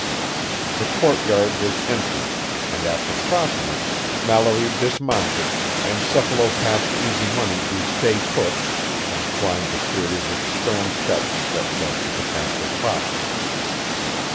The courtyard was empty, and after crossing it, Mallory dismounted, encephalopathed Easy Money to stay put, and climbed the series of stone steps that led to the castle proper.